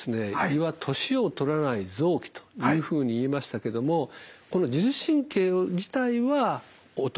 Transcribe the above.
胃は年をとらない臓器というふうに言いましたけども自律神経自体は衰えていく。